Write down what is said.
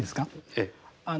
ええ。